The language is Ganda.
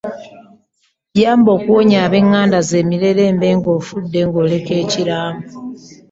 Yamba okuwonya ab’eŋŋanda zo emirerembe ng’ofudde ng’oleka ekiraamo.